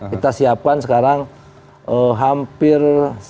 kita siapkan sekarang hampir